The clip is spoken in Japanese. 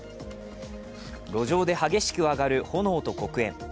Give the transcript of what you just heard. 路上で激しく上がる炎と黒煙。